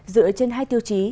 dựa trên hai tiêu chí